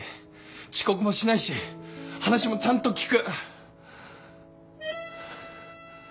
遅刻もしないし話もちゃんと聞く。